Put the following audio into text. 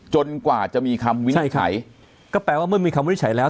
กว่าจะมีคำวินิจฉัยก็แปลว่าเมื่อมีคำวินิจฉัยแล้ว